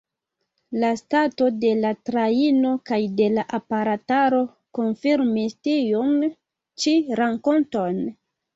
La stato de la trajno kaj de la aparataro konfirmis tiun ĉi rakonton.